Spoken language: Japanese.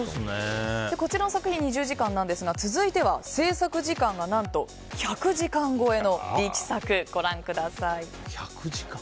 こちらの作品２０時間ですが続いては制作時間が何と１００時間超えの力作ご覧ください。